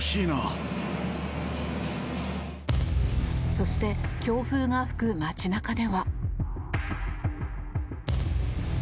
そして強風が吹く街中では。